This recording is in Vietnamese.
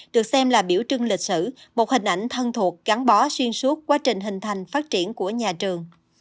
được xem là biểu trưng lịch sử một hình ảnh thân thuộc gắn bó xuyên suốt quá trình hình thành phát triển của nhà trường